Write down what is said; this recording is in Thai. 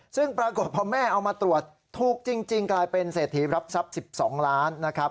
ซึ่งปรากฏพอแม่เอามาตรวจถูกจริงกลายเป็นเศรษฐีรับทรัพย์๑๒ล้านนะครับ